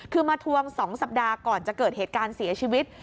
คือมาทวง๒สัปดาห์ก่อนจะเกิดเหตุการณ์เสียชีวิต